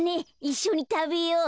いっしょにたべよう。